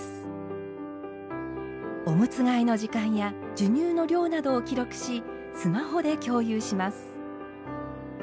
おむつ替えの時間や授乳の量などを記録しスマホで共有します。